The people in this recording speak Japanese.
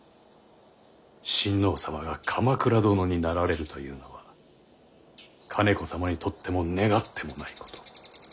親王様が鎌倉殿になられるというのは兼子様にとっても願ってもないこと。